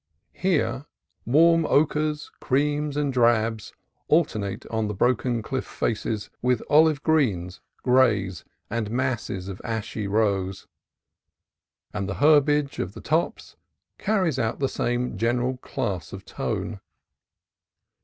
Here, warm ochres, creams, and drabs alter nate on the broken cliff faces with olive greens, grays, and masses of ashy rose ; and the herbage of the tops carries out the same general class of tone.